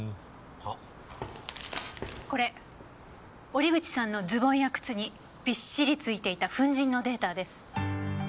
折口さんのズボンや靴にびっしりついていた粉塵のデータです。